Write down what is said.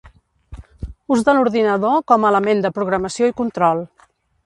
Ús de l'ordinador com a element de programació i control.